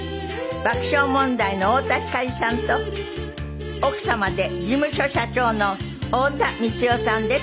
爆笑問題の太田光さんと奥様で事務所社長の太田光代さんです。